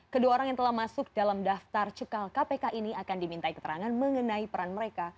kedua orang yang telah masuk dalam daftar cekal kpk ini akan dimintai keterangan mengenai peran mereka